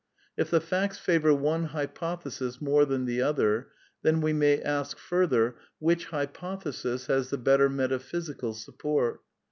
If the facts favour one hypothesis more than the other, then we may ask further, which hypothesis has the better metaphysical support?